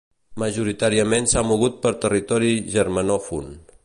Majoritàriament s'ha mogut per territori germanòfon.